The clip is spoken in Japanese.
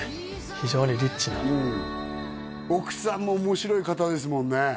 非常にリッチなうん奥さんも面白い方ですもんね